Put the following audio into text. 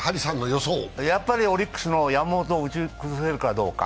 やっぱりオリックスの山本を崩せるかどうか。